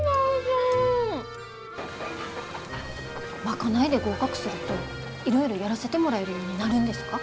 賄いで合格するといろいろやらせてもらえるようになるんですか？